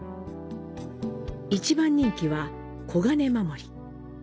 一番人気は「金守」。